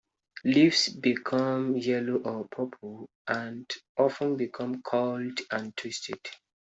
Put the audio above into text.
Leaves become yellow or purple and often become curled and twisted.